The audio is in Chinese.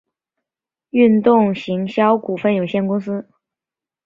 运动行销股份有限公司